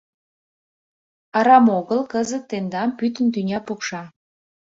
Арам огыл кызыт тендам пӱтынь тӱня пукша.